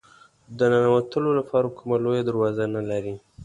د ننوتلو لپاره کومه لویه دروازه نه لري.